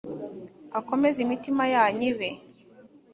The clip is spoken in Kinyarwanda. akomeze imitima yanyu ibe